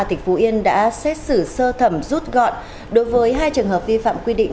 tỉnh phú yên đã xét xử sơ thẩm rút gọn đối với hai trường hợp vi phạm quy định